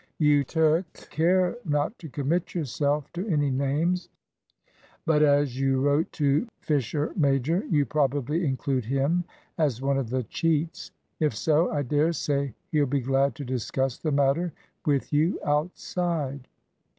"You took care not to commit yourself to any names; but, as you wrote to Fisher major, you probably include him as one of the cheats. If so, I dare say he'll be glad to discuss the matter with you outside."